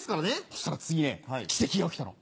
そしたら次ね奇跡が起きたの。